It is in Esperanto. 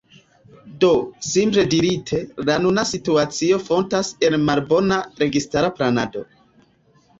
Do, simple dirite, la nuna situacio fontas el malbona registara planado.